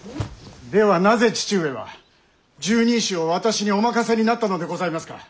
ではなぜ父上は拾人衆を私にお任せになったのでございますか？